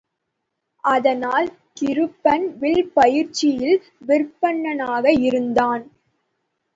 அதனால் கிருபன் வில் பயிற்சியில் விற்பன்னனாக இருந்தான்.